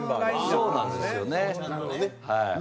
そうなんですよね。